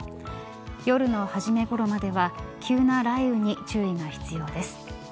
夜の初め頃までは急な雷雨に注意が必要です。